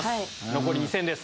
残り２戦です。